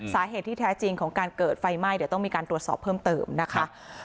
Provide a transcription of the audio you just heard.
สาเหตุที่แท้จริงของการเกิดไฟไหม้เดี๋ยวต้องมีการตรวจสอบเพิ่มเติมนะคะ